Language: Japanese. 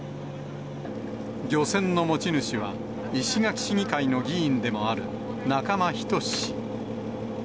漁船の持ち主は、石垣市議会の議員でもある仲間均氏。